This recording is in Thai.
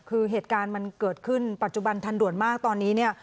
คือเหตุการณ์มันเกิดขึ้นปัจจุบันทันด่วนมากตอนนี้เนี่ย